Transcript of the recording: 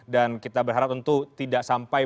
dan kita berharap tentu tidak sampai